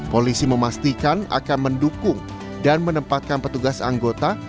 polisi memastikan akan mendukung dan menempatkan petugas anggota